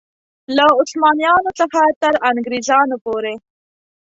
له عثمانیانو څخه تر انګرېزانو پورې.